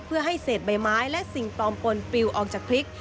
เพื่อให้เศษใบไม้และสิ่งปลอมปนปลิวออกจากพริก